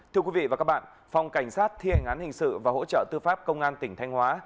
thưa quý vị và các bạn phòng cảnh sát thi hành án hình sự và hỗ trợ tư pháp công an tỉnh thanh hóa